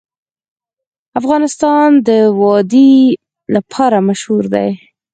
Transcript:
افغانستان د وادي لپاره مشهور دی.